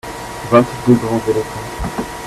vingt deux grands éléphants.